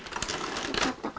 分かったか？